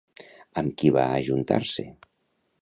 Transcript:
Amb qui va ajuntar-se?